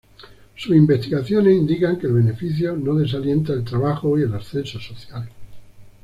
Sus investigaciones indican que el beneficio no desalienta el trabajo y el ascenso social.